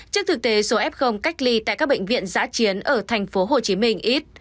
trước thực tế số f cách ly tại các bệnh viện giã chiến ở tp hcm ít